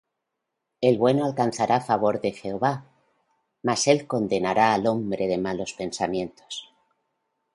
El bueno alcanzará favor de Jehová: Mas él condenará al hombre de malos pensamientos.